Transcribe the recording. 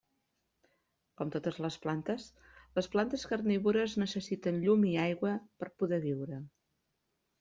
Com totes les plantes, les plantes carnívores necessiten llum i aigua per poder viure.